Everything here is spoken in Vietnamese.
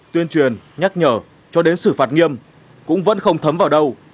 tuyên truyền nhắc nhở cho đến sự phạt nghiêm cũng vẫn không thấm vào đầu